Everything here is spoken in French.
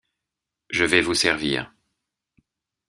Je vais vous servir.